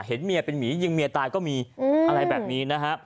เห็นเมียเป็นหมียิงเมียตายก็มีอะไรแบบนี้นะฮะ